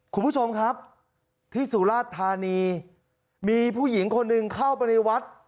คุณผู้ชมครับที่สุราชธานีมีผู้หญิงคนหนึ่งเข้าไปในวัด